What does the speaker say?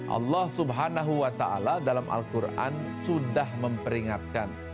allah subhanahu wa ta'ala dalam al quran sudah memperingatkan